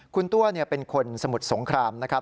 คุณตัวเป็นคนสมุทรสงครามนะครับ